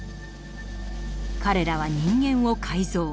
彼らは人間を改造。